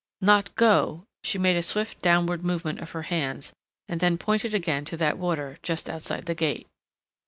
"Not go " She made a swift downward movement of her hands and then pointed again to that water just outside the gate.